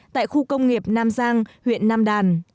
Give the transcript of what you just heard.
tại khu công nghiệp nam giang huyện nam đàn